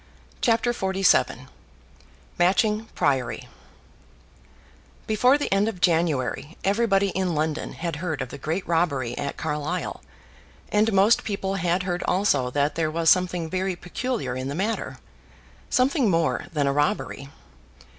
CHAPTER XLVII Matching Priory Before the end of January everybody in London had heard of the great robbery at Carlisle, and most people had heard also that there was something very peculiar in the matter, something more than a robbery.